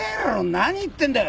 何言ってんだよ。